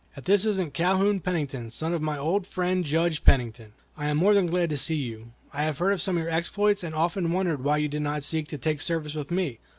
if this isn't Calhoun Pennington, son of my old friend Judge Pennington! I am more than glad to see you. I have heard of some of your exploits, and often wondered why you did not seek to take service with me.